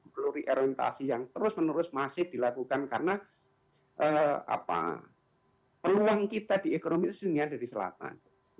pluriorientasi yang terus menerus masih dilakukan karena peluang kita di ekonomi itu sehingga dari selatan